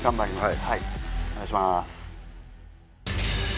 はいお願いします